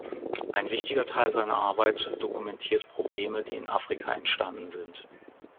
Ein wichtiger Teil seiner Arbeiten dokumentiert Probleme, die in Afrika entstanden sind.